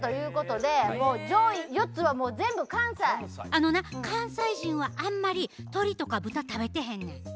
あのな関西人はあんまり鶏とか豚食べてへんねん。